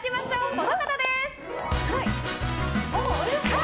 この方です！